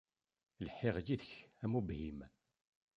Lḥiɣ yid-k am ubhim.